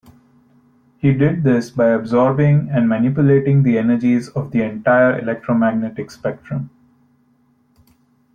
He did this by absorbing and manipulating the energies of the entire electromagnetic spectrum.